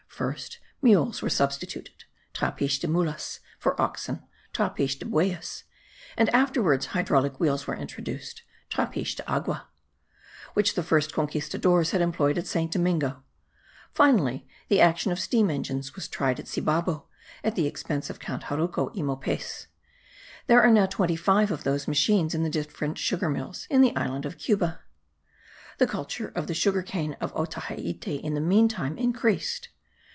First, mules were substituted (trapiches de mulas) for oxen (trapiches de bueyes); and afterwards hydraulic wheels were introduced (trapiches de agua), which the first conquistadores had employed at Saint Domingo; finally the action of steam engines was tried at Ceibabo, at the expense of Count Jaruco y Mopex. There are now twenty five of those machines in the different sugar mills of the island of Cuba. The culture of the sugar cane of Otaheite in the meantime increased.